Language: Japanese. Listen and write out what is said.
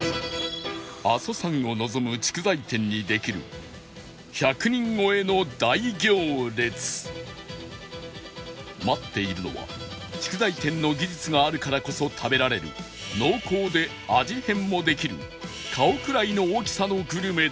阿蘇山を望む竹材店にできる１００人超えの大行列待っているのは竹材店の技術があるからこそ食べられる濃厚で味変もできる顔くらいの大きさのグルメだという